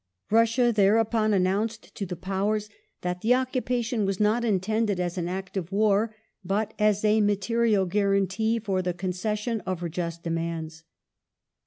Russia thereupon announced to the Powers that the occupation was not intended as an act of war, but as a "material guarantee" for the concession of her just demands.